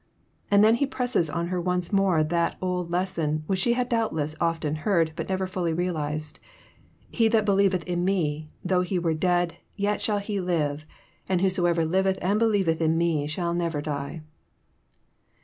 And then He presses on her once more that Old lesson, which she had doubtless often heard, but never fUlly realized :'^ He that believeth in Me, though he were dead, yet shall he live ; and whosoever liveth and believeth in Me shall never die."